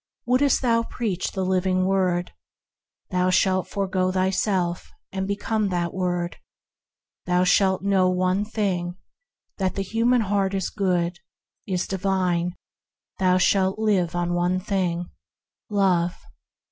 Wouldst thou preach the living Word ? Thou shalt forego thyself, and become that Word. Thou shalt know one thing: that the GREATNESS AND GOODNESS 151 human heart is good, is divine; thou shalt live one thing: Love.